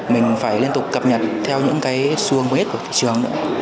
mình phải liên tục cập nhật theo những cái xuân huyết của thị trường nữa